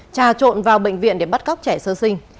trà trộn vào bệnh viện để bắt cóc trẻ sơ sinh